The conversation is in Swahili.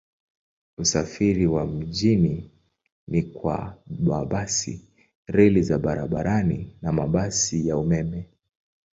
Usafiri wa mjini ni kwa mabasi, reli za barabarani na mabasi ya umeme.